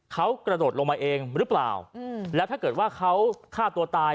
เขากระโดดลงมาเองหรือเปล่าแล้วถ้าเกิดว่าเขาฆ่าตัวตาย